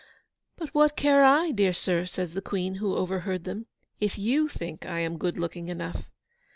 'But what care I, dear sir,' says the Queen, who overheard them, 'if YOU think I am good looking enough?